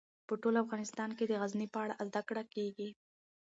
په ټول افغانستان کې د غزني په اړه زده کړه کېږي.